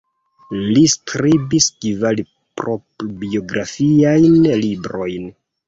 Li skribis kvar proprbiografiajn librojn.